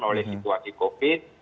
oleh situasi covid